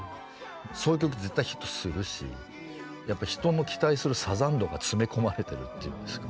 そういう曲絶対ヒットするし人の期待するサザン度が詰め込まれてるっていいますか。